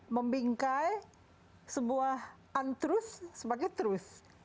membingkai sebuah untruth sebagai truth